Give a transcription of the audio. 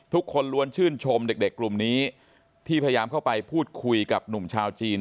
ทุกคนล้วนชื่นชมเด็กกลุ่มนี้ที่พยายามเข้าไปพูดคุยกับหนุ่มชาวจีน